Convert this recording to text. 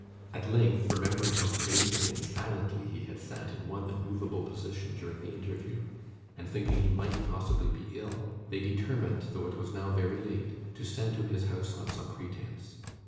At length, remembering how strangely and silently he had sat in one immovable position during the interview, and thinking he might possibly be ill, they determined, although it was now very late, to send to his house on some pretence.